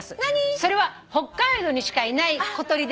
「それは北海道にしかいない小鳥で」